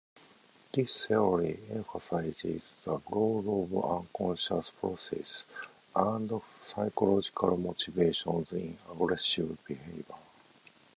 This theory emphasizes the role of unconscious processes and psychological motivations in aggressive behavior.